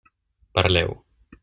Parleu.